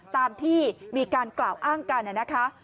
ตามที่มีการกล่าวอ้างกันนะคะ